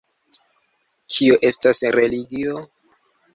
Kio estas religio?